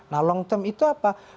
nah long term itu apa